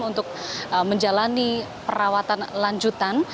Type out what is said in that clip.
untuk menjalani perawatan lanjutan